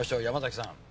山崎さん。